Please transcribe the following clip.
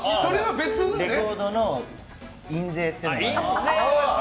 レコードの印税っていうのが。